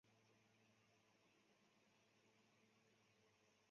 有没有电一量就知道